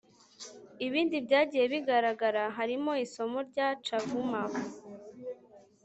ibindi byagiye bigaragara harimo isumo rya chavuma